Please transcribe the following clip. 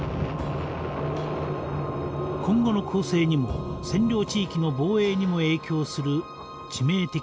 今後の攻勢にも占領地域の防衛にも影響する致命的